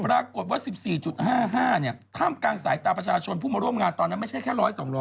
ปรากฏว่า๑๔๕๕ท่ามกลางสายตาประชาชนผู้มาร่วมงานตอนนั้นไม่ใช่แค่๑๒๐๐